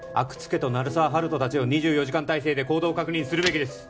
家と鳴沢温人達を２４時間態勢で行動を確認するべきです